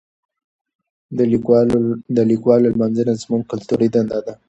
د لیکوالو لمانځنه زموږ کلتوري دنده ده.